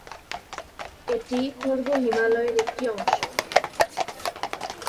এটি পূর্ব হিমালয়ের একটি অংশ।